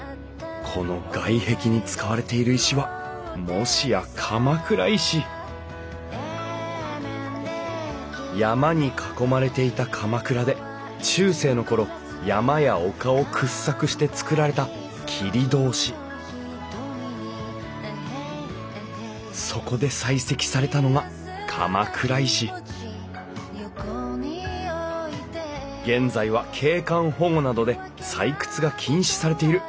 この外壁に使われている石はもしや鎌倉石山に囲まれていた鎌倉で中世の頃山や丘を掘削して造られた切通しそこで採石されたのが鎌倉石現在は景観保護などで採掘が禁止されている。